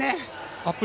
アップル